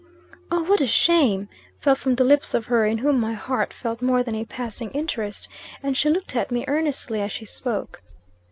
"'Oh, what a shame!' fell from the lips of her in whom my heart felt more than a passing interest; and she looked at me earnestly as she spoke.